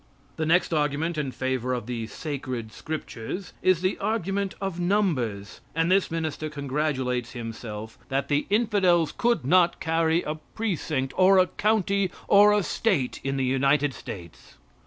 The next argument in favor of the "sacred scriptures" is the argument of numbers; and this minister congratulates himself that the infidels could not carry a precinct, or a county, or a state in the United States.